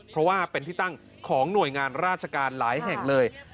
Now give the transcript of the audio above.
เพราะว่าเป็นที่ตั้งของหน่วยงานราชการหลายแห่งเลย